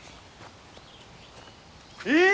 えっ！